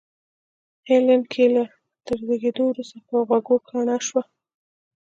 هېلېن کېلر تر زېږېدو وروسته پر غوږو کڼه شوه.